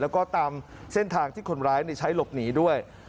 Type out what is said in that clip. แล้วก็ตามเส้นทางที่คนร้ายใช้หลบหนีด้วย